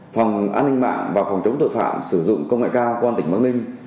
phòng an ninh mạng và phòng chống tội phạm sử dụng công nghệ cao quan tỉnh bắc ninh